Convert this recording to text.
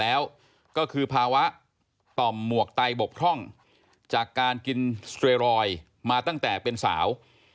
แล้วก็คือภาวะต่อมหมวกไตบกพร่องจากการกินสเตรรอยด์มาตั้งแต่เป็นสาว